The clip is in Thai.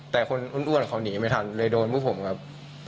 แต่คนอ้วนเขาหนีไม่ทันเลยโดนพวกผมครับ